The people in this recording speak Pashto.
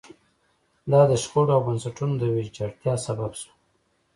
دا د شخړو او بنسټونو د ویجاړتیا سبب شوه.